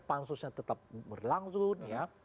pansusnya tetap berlangsung ya